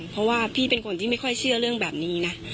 เพราะว่าพี่เป็นคนที่ไม่ค่อยเชื่อเรื่องแบบนี้นะ